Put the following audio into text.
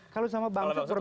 kalau sama bangsat berbeda